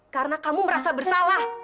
karena kamu merasa bersalah